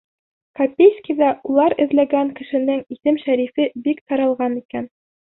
Копейскиҙа улар эҙләгән кешенең исем-шәрифе бик таралған икән.